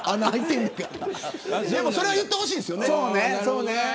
それは言ってほしいですよね。